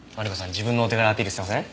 自分のお手柄アピールしてません？